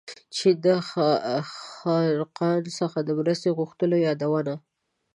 چین د خاقان څخه د مرستې غوښتلو یادونه.